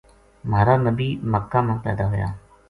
مہارا نبی مکہ ما پیدا ہویا۔